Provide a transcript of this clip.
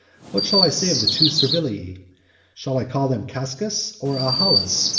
What shall I say of the two Servilii? Shall I call them Cascas, or Ahalas?